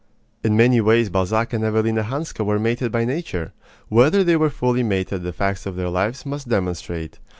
In many ways Balzac and Evelina Hanska were mated by nature. Whether they were fully mated the facts of their lives must demonstrate.